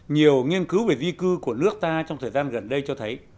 nhiều nghiên cứu về di cư của nước ta trong thời gian gần đây cho thấy